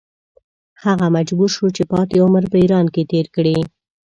هغه مجبور شو چې پاتې عمر په ایران کې تېر کړي.